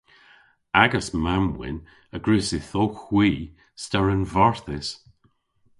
Agas mamm-wynn a grys yth owgh hwi steren varthys.